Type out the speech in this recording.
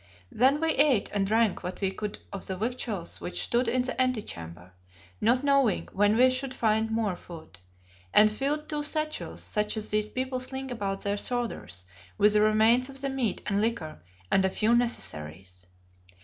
Then we ate and drank what we could of the victuals which stood in the antechamber, not knowing when we should find more food, and filled two satchels such as these people sling about their shoulders, with the remains of the meat and liquor and a few necessaries.